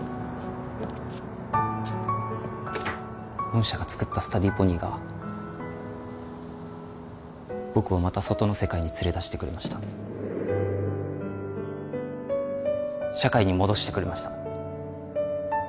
御社が作ったスタディーポニーが僕をまた外の世界に連れ出してくれました社会に戻してくれました